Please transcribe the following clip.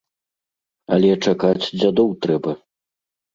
Але чакаць дзядоў трэба.